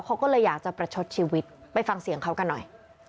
เขาก็เลยอยากจะประชดชีวิตไปฟังเสียงเขากันหน่อย